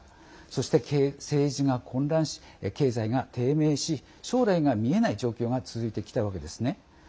そして、政治が混乱し経済が低迷し将来が見えない状況が続いてきたわけですね。